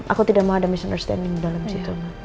aku tidak mau ada misunderstanding dalam situ mbak